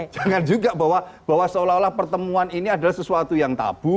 jangan juga bahwa seolah olah pertemuan ini adalah sesuatu yang tabu